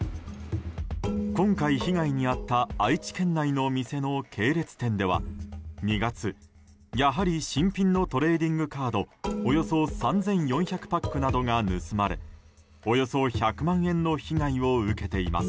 今回、被害に遭った愛知県内の店の系列店では２月、やはり新品のトレーディングカードおよそ３４００パックなどが盗まれおよそ１００万円の被害を受けています。